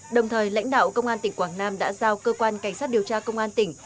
đồng thời lãnh đạo công an tỉnh quảng nam đã giao cơ quan cảnh sát điều tra công an tỉnh